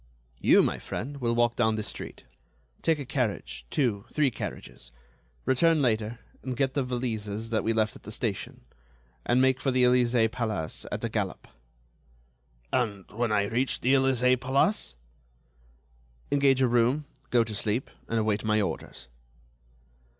"You, my friend, will walk down this street, take a carriage, two, three carriages. Return later and get the valises that we left at the station, and make for the Elysée Palace at a galop." "And when I reach the Elysée Palace?" "Engage a room, go to sleep, and await my orders."